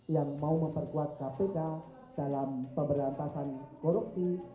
yang mau memperkuat kpk dalam pemberantasan korupsi